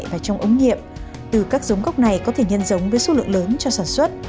và trong ống nghiệm từ các giống gốc này có thể nhân giống với số lượng lớn cho sản xuất